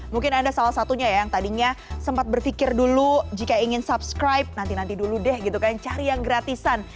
mungkin anda salah satunya ya yang tadinya sempat berpikir dulu jika ingin subscribe nanti nanti dulu deh gitu kan cari yang gratisan